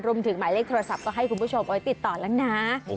หมายถึงหมายเลขโทรศัพท์ก็ให้คุณผู้ชมไว้ติดต่อแล้วนะ